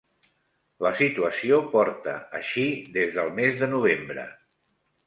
La situació porta així des del mes de novembre.